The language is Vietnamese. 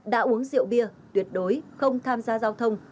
đã uống rượu bia tuyệt đối không tham gia giao thông